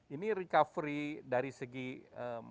ini recovery dari segi emas